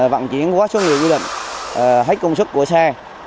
vận chuyển quá số người quy định hết công sức của xe